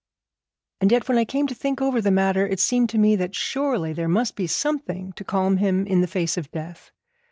And yet when I came to think over the matter, it seemed to me that surely there must be something to calm him in the face of death.